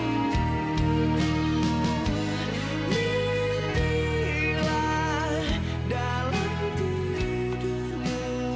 mimpilah dalam tidurmu